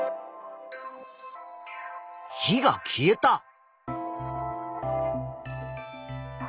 火が消えた。